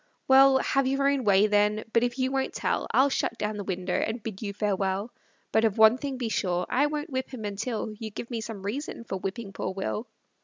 Well, have your own way, then; but if you won't tell, I'll shut down the window, and bid you farewell; But of one thing be sure, I won't whip him until You give me some reason for whipping poor Will.